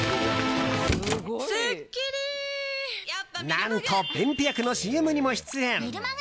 何と、便秘薬のＣＭにも出演。